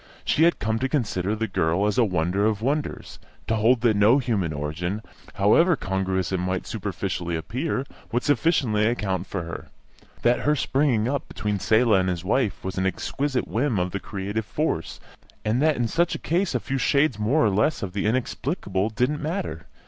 She had come to consider the girl as a wonder of wonders, to hold that no human origin, however congruous it might superficially appear, would sufficiently account for her; that her springing up between Selah and his wife was an exquisite whim of the creative force; and that in such a case a few shades more or less of the inexplicable didn't matter.